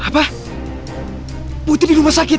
apa putri di rumah sakit